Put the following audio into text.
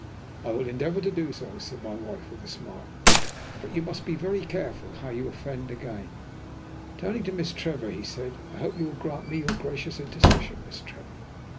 "I will endeavour to do so," said my wife with a smile, "but you must be very careful how you offend again." Then turning to Miss Trevor, he said, "I hope you will grant me your gracious intercession, Miss Trevor?"